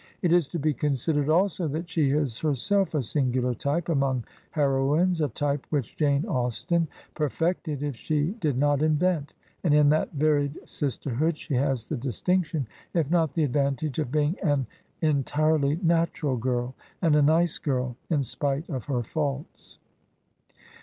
It is to be considered also that she is herself a singular type among heroines : a ty pe wh ic h Jane Austen pe r fected if she did not invent, and i n that varied s ister hood she haiJS'tTie" ^ t inction, il not the advan tage, of Hjeing^^gy'enti^Ty nat ural girl, and a nice yirl. i|]|^^pT?#> of her fau lts.